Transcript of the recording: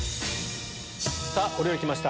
さぁお料理来ました